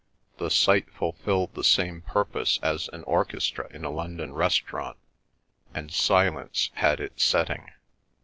The sight fulfilled the same purpose as an orchestra in a London restaurant, and silence had its setting.